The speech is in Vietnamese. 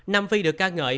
nam phi được ca ngợi